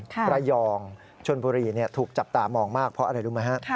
ระยองชนบุรีถูกจับตามองมากเพราะอะไรรู้ไหมฮะ